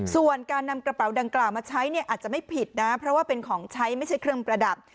ส่วนการนำกระเป๋าดังกล่าวมาใช้เนี่ยอาจจะไม่ผิดนะเพราะว่าเป็นของใช้ไม่ใช่เครื่องประดับ